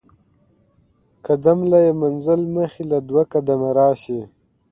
قدم له ئې منزل مخي له دوه قدمه راشي